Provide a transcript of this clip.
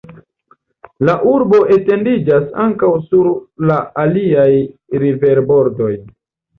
La urbo etendiĝas ankaŭ sur la aliaj riverbordoj.